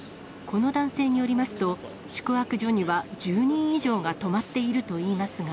この男性によりますと、宿泊所には１０人以上が泊まっているといいますが。